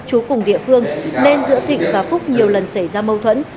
chú cùng địa phương nên giữa thịnh và phúc nhiều lần xảy ra mâu thuẫn